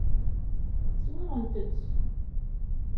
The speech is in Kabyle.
Swaɣent-tt.